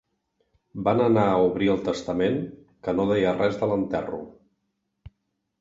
Van anar a obrir el testament, que no deia res de l'enterro.